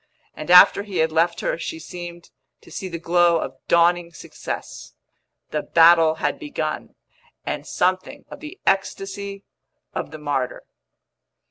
And after he had left her she seemed to see the glow of dawning success; the battle had begun, and something of the ecstasy of the martyr.